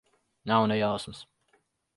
Nav ne jausmas.